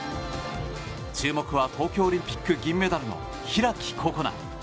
注目は東京オリンピック銀メダルの開心那。